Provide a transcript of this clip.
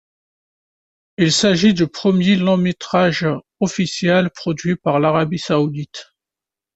Il s'agit du premier long métrage officiel produit par l'Arabie saoudite.